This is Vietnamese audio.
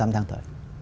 tám tháng tới